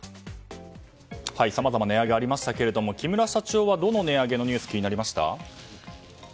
さまざま値上げがありましたが木村社長は、どの値上げのニュースが気になりました？